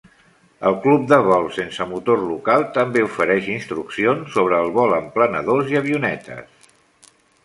El club de vols sense motor local també ofereix instruccions sobre el vol amb planadors i avionetes.